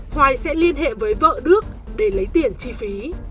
hoài sẽ liên hệ với vợ đước để lấy tiền chi phí